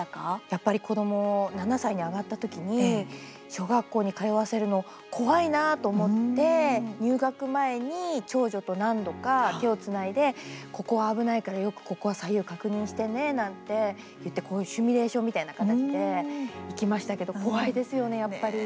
やっぱり子ども７歳に上がったときに小学校に通わせるの怖いなと思って入学前に長女と何度か手をつないでここは危ないからよくここは左右確認してねなんて言ってシミュレーションみたいな形で行きましたけど怖いですよね、やっぱり。